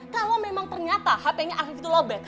kalau memang ternyata hpnya afif itu lobel